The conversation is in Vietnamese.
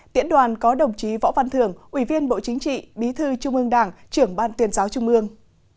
tiễn đoàn có đồng chí võ văn thưởng ủy viên bộ chính trị bí thư trung ương đảng trưởng ban tuyên giáo trung ương